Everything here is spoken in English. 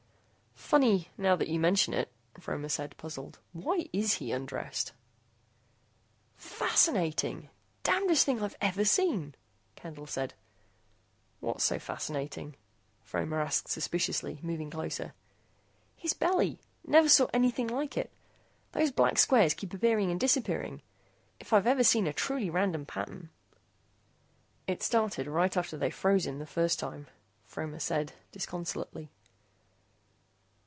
"Funny, now that you mention it," Fromer said, puzzled, "why is he undressed?" "Fascinating! Damnedest thing I've ever seen," Candle said. "What's so fascinating?" Fromer asked suspiciously, moving closer. "His belly. Never saw anything like it. Those black squares keep appearing and disappearing. If I've ever seen a truly random pattern " "It started right after they froze him the first time," Fromer said disconsolately.